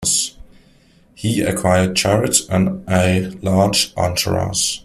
He acquired chariots and a large entourage.